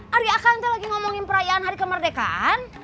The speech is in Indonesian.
hari akan kita lagi ngomongin perayaan hari kemerdekaan